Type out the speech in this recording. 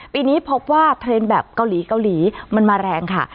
ปีนี้พบว่าเทรนด์แบบเกาหลีเกาหลีมันมาแรงค่ะ